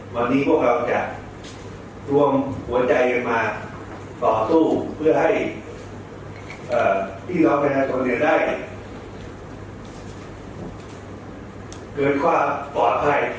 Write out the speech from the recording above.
วันนี้พวกเราจะรวมหัวใจกันมาต่อสู้เพื่อให้พี่น้องประชาชนได้เกินความปลอดภัย